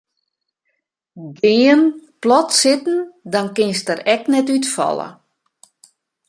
Gean plat sitten dan kinst der ek net útfalle.